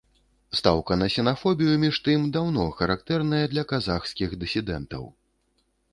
Стаўка на сінафобію, між тым, даўно характэрная для казахскіх дысідэнтаў.